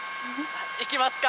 行きますか。